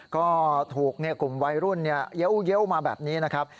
ก็ถูกกลุ่มวัยรุ่นเยอะมาแบบนี้นะครับ